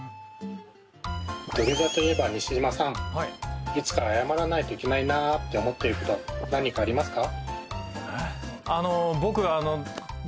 土下座といえば西島さんいつか謝らないといけないなって思っていること何かありますか？